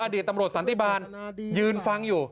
อดีตตำรวจสันติบาลยืนฟังอยู่